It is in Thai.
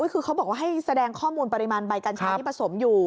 คือเขาบอกว่าให้แสดงข้อมูลปริมาณใบกัญชาที่ผสมอยู่